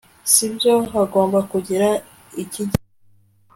si byo? hagomba kugira ikijyamo